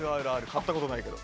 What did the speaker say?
買ったことないけど。